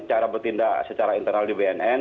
cara bertindak secara internal di bnn